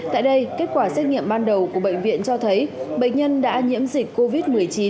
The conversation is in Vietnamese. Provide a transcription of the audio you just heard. tại đây kết quả xét nghiệm ban đầu của bệnh viện cho thấy bệnh nhân đã nhiễm dịch covid một mươi chín